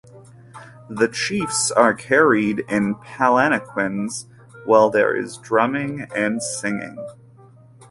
The chiefs are carried in palanquins whiles there is drumming and singing.